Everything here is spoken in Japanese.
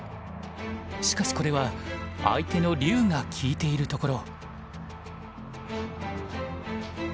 しかしこれは相手の竜が利いているところ。